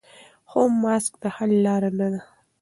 خو ماسک د حل لاره نه ده.